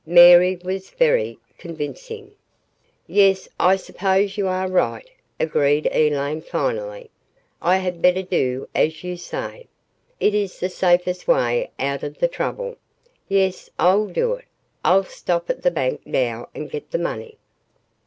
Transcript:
Mary was very convincing. "Yes, I suppose you are right," agreed Elaine, finally. "I had better do as you say. It is the safest way out of the trouble. Yes, I'll do it. I'll stop at the bank now and get the money."